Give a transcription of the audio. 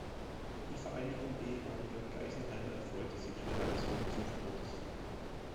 Die Vereinigung Ehemaliger Geisenheimer erfreute sich schnell eines hohen Zuspruchs.